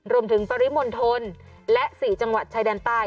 รวมถึงปริมณฑลและ๔จังหวัดชายดนต้าย